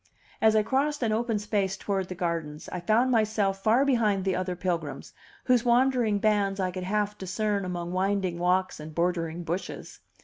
As I crossed an open space toward the gardens I found myself far behind the other pilgrims, whose wandering bands I could half discern among winding walks and bordering bushes.